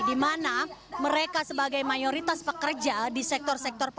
dimana mereka sebagai mayoritas pekerja di sektor sektor pekerja